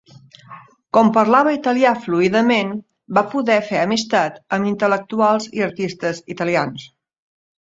Com parlava italià fluidament, va poder fer amistat amb intel·lectuals i artistes italians.